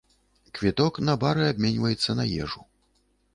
Квіток на бары абменьваецца на ежу.